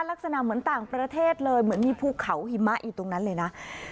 ลักษณะเหมือนต่างประเทศเลยเหมือนมีภูเขาหิมะอยู่ตรงนั้นเลยนะ